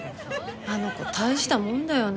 あの子大したもんだよね。